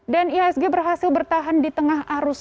dan ihsg berhasil bertahan di tengah arus